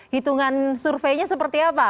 hitungan surveinya seperti apa